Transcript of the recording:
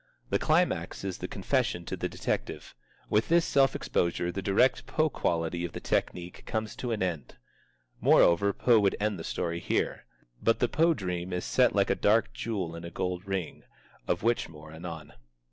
The climax is the confession to the detective. With this self exposure the direct Poe quality of the technique comes to an end. Moreover, Poe would end the story here. But the Poe dream is set like a dark jewel in a gold ring, of which more anon.